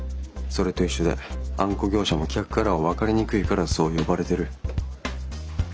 それと一緒であんこ業者も客からは分かりにくいからそう呼ばれてる。